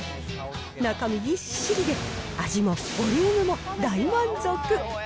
中身ぎっしりで味もボリュームも大満足。